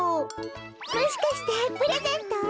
もしかしてプレゼント？